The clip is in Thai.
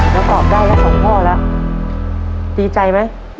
แล้วกอบได้แล้ว๒ข้อแล้วดีใจไหม